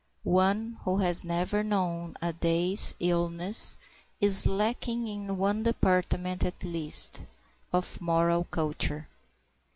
One who has never known a day's illness is lacking in one department, at least, of moral culture.